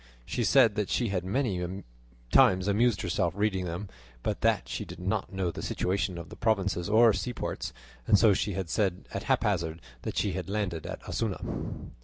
She said that she had many times amused herself reading them; but that she did not know the situation of the provinces or seaports, and so she had said at haphazard that she had landed at Osuna.